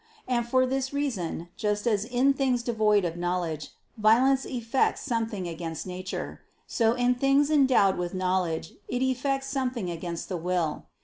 And for this reason, just as in things devoid of knowledge, violence effects something against nature: so in things endowed with knowledge, it effects something against the will.